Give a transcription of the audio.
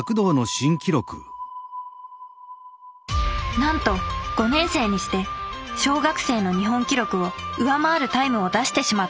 なんと５年生にして小学生の日本記録を上回るタイムを出してしまった前畑さん。